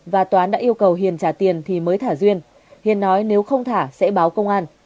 và toán đã yêu cầu hiền trả tiền thì mới thả duyên hiền nói nếu không thả sẽ báo công an